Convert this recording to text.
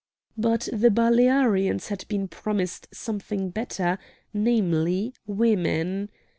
But the Balearians had been promised something better, namely, women.